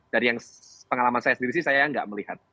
dari yang pengalaman saya sendiri sih saya nggak melihat